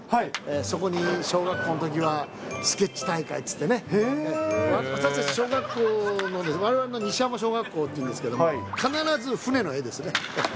そこに小学校のときはスケッチ大会っていってね、私たち、小学校の、われわれの西浜小学校っていうんですけどね、必ず船の絵ですね。